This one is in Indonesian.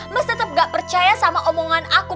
mas tetep gak percaya sama omongan aku